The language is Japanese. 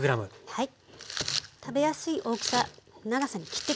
はい。